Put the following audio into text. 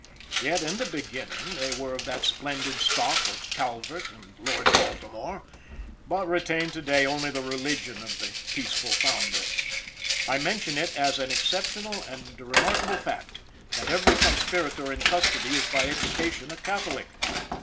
Yet in the beginning they were of that splendid stock of Calvert and Lord Baltimore, but retain to day only the religion of the peaceful founder. I mention it is an exceptional and remarkable fact, that every conspirator in custody is by education a Catholic.